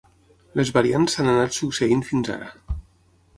Les variants s'han anat succeint fins ara.